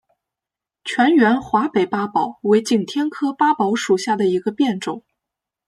全缘华北八宝为景天科八宝属下的一个变种。